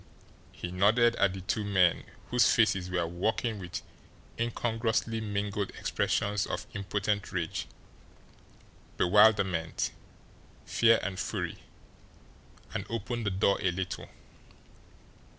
He nodded at the two men, whose faces were working with incongruously mingled expressions of impotent rage, bewilderment, fear, and fury and opened the door a little.